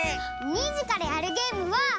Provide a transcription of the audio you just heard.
２じからやるゲームは。